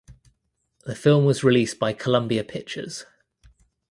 The film was released by Columbia Pictures.